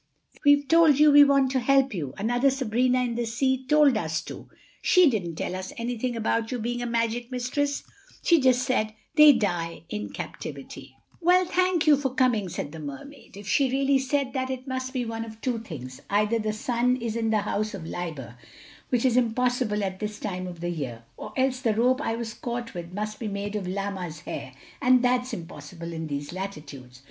"We've told you—we want to help you. Another Sabrina in the sea told us to. She didn't tell us anything about you being a magic mistress. She just said 'they die in captivity.'" [Illustration: "'Translucent wave,' indeed!"] "Well, thank you for coming," said the Mermaid. "If she really said that it must be one of two things—either the sun is in the House of Liber—which is impossible at this time of the year—or else the rope I was caught with must be made of llama's hair, and that's impossible in these latitudes.